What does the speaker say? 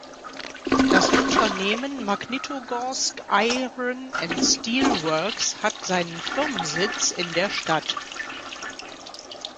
Das Unternehmen Magnitogorsk Iron and Steel Works hat seinen Firmensitz in der Stadt.